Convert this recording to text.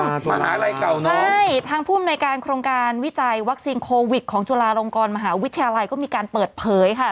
มหาลัยเก่านะใช่ทางผู้อำนวยการโครงการวิจัยวัคซีนโควิดของจุฬาลงกรมหาวิทยาลัยก็มีการเปิดเผยค่ะ